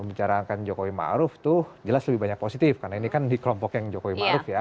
sedangkan jokowi maruf tuh jelas lebih banyak positif karena ini kan di kelompok yang jokowi maruf ya